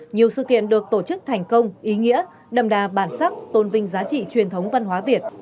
nhiều sự kiện được tổ chức thành công ý nghĩa đậm đà bản sắc tôn vinh giá trị truyền thống văn hóa việt